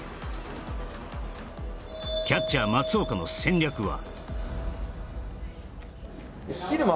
キャッチャー・松岡の戦略は？